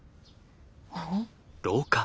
何？